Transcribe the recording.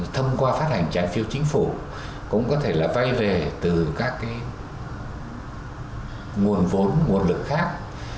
thông qua phát hành trái phiếu chính phủ cũng có thể là vay về từ các nguồn vốn nguồn lực khác